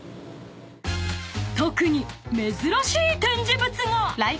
［特に珍しい展示物が！］